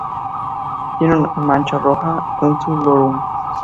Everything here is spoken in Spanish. Tiene una mancha roja en su lorum.